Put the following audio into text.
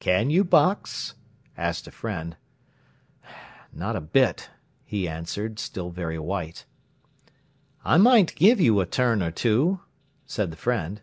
"Can you box?" asked a friend. "Not a bit," he answered, still very white. "I might give you a turn or two," said the friend.